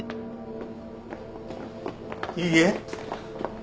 いいえ。